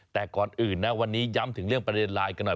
แต่ก่อนอื่นนะวันนี้ย้ำถึงเรื่องประเด็นไลน์กันหน่อย